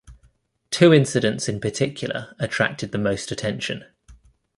Two incidents in particular attracted the most attention.